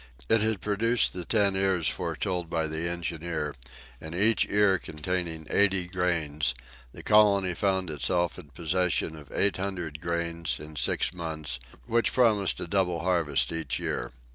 It had produced the ten ears foretold by the engineer, and each ear containing eighty grains, the colony found itself in possession of eight hundred grains, in six months, which promised a double harvest each year.